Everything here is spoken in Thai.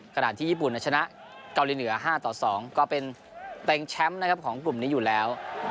ขณะที่ญี่ปุ่นชนะเกาหลีเหนือ๕ต่อ๒ก็เป็นเต็งแชมป์นะครับของกลุ่มนี้อยู่แล้ว